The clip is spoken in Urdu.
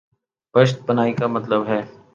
پشت پناہی کامطلب ہے۔